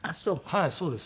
はいそうです。